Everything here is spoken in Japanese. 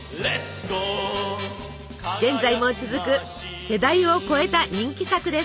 現在も続く世代を超えた人気作です。